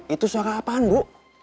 itu suara apaan bu